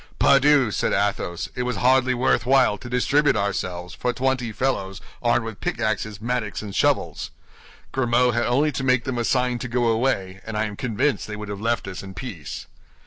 "Pardieu!" said Athos, "it was hardly worth while to distribute ourselves for twenty fellows armed with pickaxes, mattocks, and shovels. Grimaud had only to make them a sign to go away, and I am convinced they would have left us in peace."